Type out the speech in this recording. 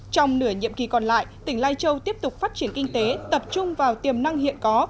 trong nửa nhiệm kỳ còn lại tỉnh lai châu tiếp tục phát triển kinh tế tập trung vào tiềm năng hiện có